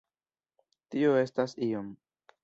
Tio estas iom...